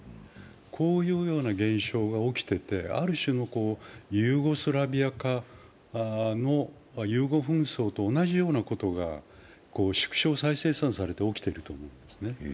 こういう現象が起きていて、ある種のユーゴスラビア化の、ユーゴ紛争と同じようなことが縮小再生産されて起きていると思うんですね。